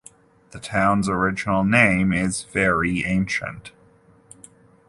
The town's original name is very ancient.